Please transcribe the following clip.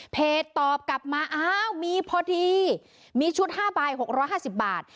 เพจตอบกลับมาอ้าวมีพอดีมีชุดห้าใบหกร้อยห้าสิบบาท